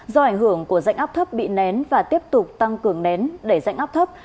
do ảnh hưởng của dạnh áp thấp bị nén và tiếp tục tăng cường nén đẩy rãnh áp thấp